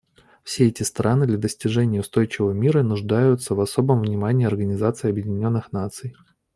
Все эти страны для достижения устойчивого мира нуждаются в особом внимании Организации Объединенных Наций.